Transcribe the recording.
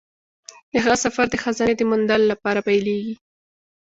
د هغه سفر د خزانې د موندلو لپاره پیلیږي.